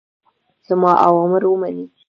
زما اوامر ومنئ.